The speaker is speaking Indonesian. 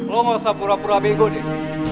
lo gak usah pura pura bego nih